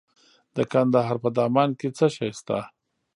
د کندهار په دامان کې څه شی شته؟